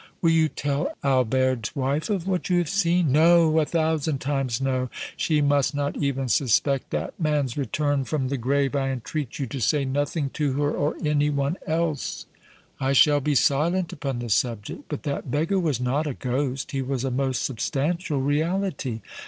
"Will you tell Albert's wife of what you have seen?" "No! a thousand times no! She must not even suspect that man's return from the grave! I entreat you to say nothing to her or any one else!" "I shall be silent upon the subject; but that beggar was not a ghost; he was a most substantial reality.